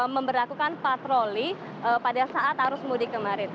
memperlakukan patroli pada saat arus mudik kemarin